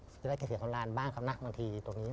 จะได้เกษียณสำราญบ้างครับนะบางทีตรงนี้